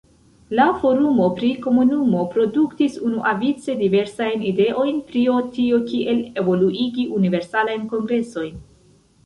La forumo pri komunumo produktis unuavice diversajn ideojn prio tio, kiel evoluigi Universalajn Kongresojn.